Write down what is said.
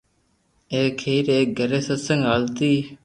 ايڪ ھير ايڪ گھري ستسينگ ھالتي